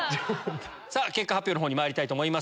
結果発表の方にまいりたいと思います。